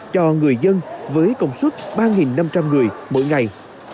cho người dân với công suất ba năm trăm linh người mỗi ngày